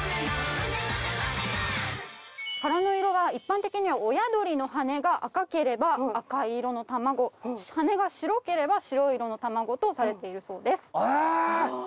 殻の色は一般的には親鳥の羽が赤ければ赤い色の卵羽が白ければ白色の卵とされているそうです。